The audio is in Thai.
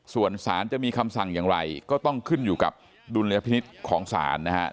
ส่วนสารจะมีคำสั่งอย่างไรก็ต้องขึ้นอยู่กับดุลยพินิษฐ์ของศาลนะครับ